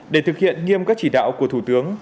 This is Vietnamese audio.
để thực hiện nghiêm các chỉ đạo của thủ tướng